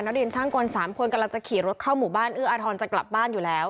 ดินช่างกล๓คนกำลังจะขี่รถเข้าหมู่บ้านเอื้ออาทรจะกลับบ้านอยู่แล้ว